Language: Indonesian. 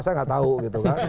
saya nggak tahu gitu kan